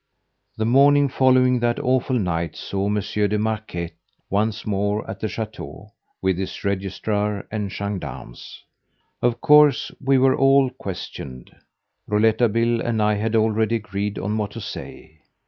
The morning following that awful night saw Monsieur de Marquet once more at the chateau, with his Registrar and gendarmes. Of course we were all questioned. Rouletabille and I had already agreed on what to say.